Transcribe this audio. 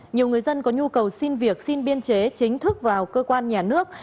nhiều người dân có nhu cầu xin việc xin biên chế chính thức vào cơ quan nhà nước